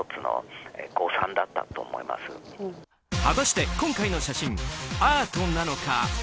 果たして、今回の写真アートなのか？